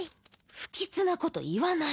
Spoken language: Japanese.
不吉なこと言わない。